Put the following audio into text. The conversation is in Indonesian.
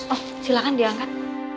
oh silahkan diangkat